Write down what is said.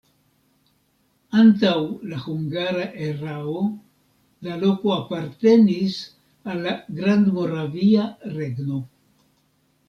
Antaŭ la hungara erao la loko apartenis al la Grandmoravia Regno.